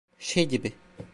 Şey gibi...